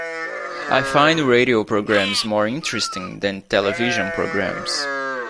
I find radio programmes more interesting than television programmes